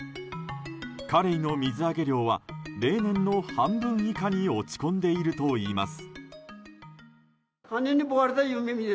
カレイの水揚げ量は例年の半分以下に落ち込んでいるといいます。